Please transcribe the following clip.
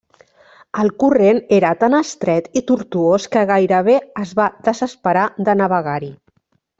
El corrent era tan estret i tortuós que gairebé es va desesperar de navegar-hi.